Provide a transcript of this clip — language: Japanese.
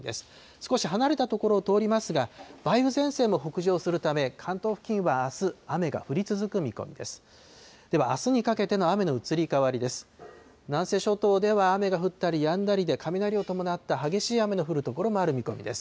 少し離れた所を通りますが、梅雨前線も北上するため、関東付近はあす、雨が降り続く見込みです。